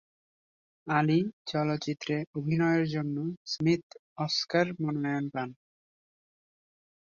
আলী চলচ্চিত্রে অভিনয়ের জন্য স্মিথ অস্কার মনোনয়ন পান।